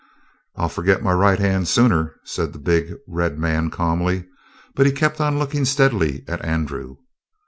"I'll forget my right hand sooner," said the big, red man calmly. But he kept on looking steadily at Andrew.